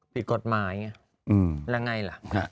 ปิดกฎหมายหรือละไงหละ